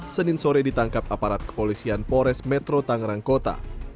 senin sore ditangkap aparat kepolisian pores metro tangerang kota